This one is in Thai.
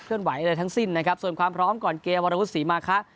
ไหวอะไรทั้งสิ้นนะครับส่วนความพร้อมก่อนเกมวรวุฒิศรีมาคะ